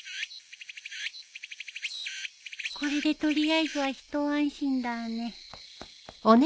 これで取りあえずは一安心だね。